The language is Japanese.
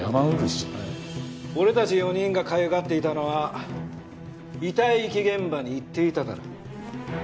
俺たち４人がかゆがっていたのは遺体遺棄現場に行っていたから。